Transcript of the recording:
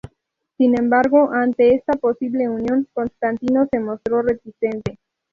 Sin embargo, ante esta posible unión, Constantino se mostró reticente.